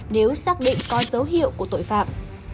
nếu xác định có dấu hiệu của tội phạm